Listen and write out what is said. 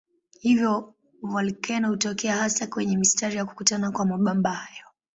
Hivyo volkeno hutokea hasa kwenye mistari ya kukutana kwa mabamba hayo.